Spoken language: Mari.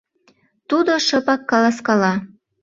Тудо шыпак каласкала: